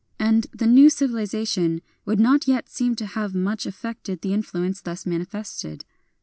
And the new civil ization would not yet seem to have much af fected the influence thus manifested.